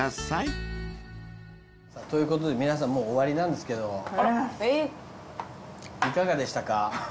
さぁということで皆さんもう終わりなんですけどいかがでしたか？